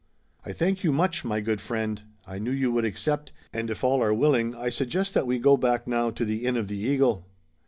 "I thank you much, my good friend. I knew you would accept, and if all are willing I suggest that we go back now to the Inn of the Eagle."